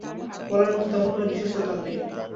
বলার মতো তেমন কোনো বিশেষত্ব তার নেই।